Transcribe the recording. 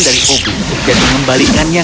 dari ogli dan mengembalikannya